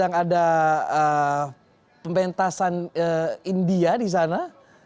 apa ada pemerintahan india disana